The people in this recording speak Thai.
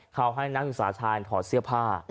เขาให้นักศึกษาชายถอดเสื้อผ้า